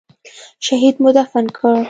شهيد مو دفن کړ.